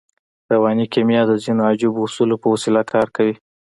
رواني کیمیا د ځينو عجیبو اصولو په وسیله کار کوي